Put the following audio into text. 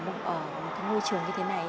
ở một ngôi trường như thế này